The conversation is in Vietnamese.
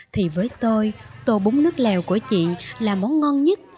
thì với tôi tô bún nước lèo của chị là món ngon nhất